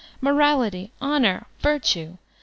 Morality! Honor! Virtue!!